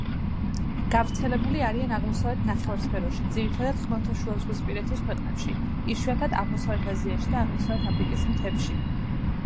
გავრცელებული არიან აღმოსავლეთ ნახევარსფეროში, ძირითადად ხმელთაშუაზღვისპირეთის ქვეყნებში, იშვიათად აღმოსავლეთ აზიაში და აღმოსავლეთ აფრიკის მთებში.